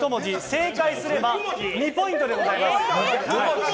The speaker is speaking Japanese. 正解すれば２ポイントでございます。